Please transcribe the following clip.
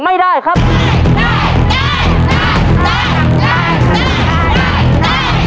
ภายในเวลา๓นาที